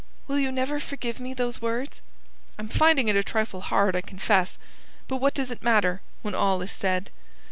"Will you never forgive me those words?" "I'm finding it a trifle hard, I confess. But what does it matter, when all is said?"